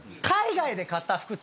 海外で買った服